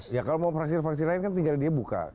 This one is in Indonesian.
ya kalau mau fraksi fraksi lain kan tinggal dia buka